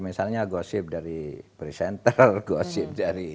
misalnya gosip dari presenter gosip dari